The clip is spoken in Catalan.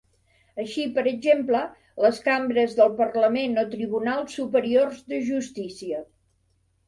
Així per exemple, les cambres del parlament o tribunals superiors de justícia.